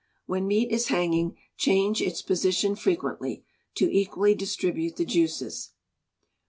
When meat is hanging, change its position frequently, to equally distribute the juices.